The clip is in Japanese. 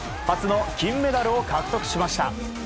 初の金メダルを獲得しました。